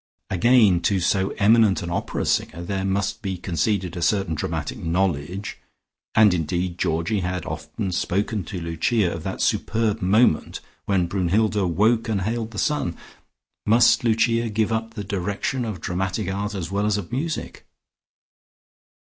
Again to so eminent an opera singer there must be conceded a certain dramatic knowledge, and indeed Georgie had often spoken to Lucia of that superb moment when Brunnhilde woke and hailed the sun. Must Lucia give up the direction of dramatic art as well as of music?